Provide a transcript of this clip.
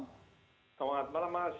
selamat malam mas